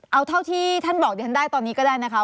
เอาเท่าที่ท่านบอกตอนนี้ก็ได้ค่ะ